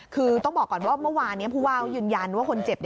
คือต้องบอกก่อนว่าเมื่อวานนี้ผู้ว่ายืนยันว่าคนเจ็บ